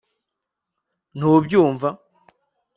ntubyumva